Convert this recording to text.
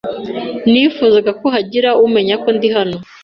inifuzaga ko hagira umenya ko ndi hano.